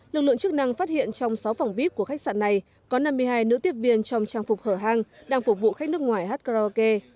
lực lượng chức năng phát hiện trong sáu phòng vip của khách sạn này có năm mươi hai nữ tiếp viên trong trang phục hở hang đang phục vụ khách nước ngoài hát karaoke